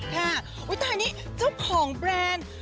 ค่ะอุ๊ยแต่อันนี้เจ้าของแบรนด์